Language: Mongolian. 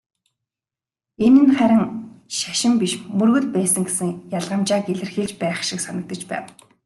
Энэ нь харин "шашин" биш "мөргөл" байсан гэсэн ялгамжааг илэрхийлж байх шиг санагдаж байна.